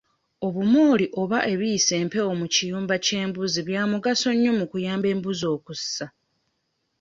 Obumooli oba ebiyisa empewo mu kiyumba ky'embuzi bya mugaso nnyo mu kuyamba embuzi okussa.